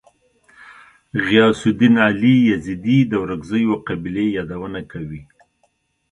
غیاث الدین علي یزدي د ورکزیو قبیلې یادونه کوي.